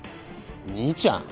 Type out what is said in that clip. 兄ちゃん？